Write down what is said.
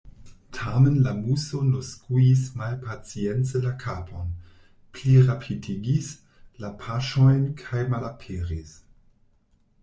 Tamen la Muso nur skuis malpacience la kapon, plirapidigis la paŝojn, kaj malaperis.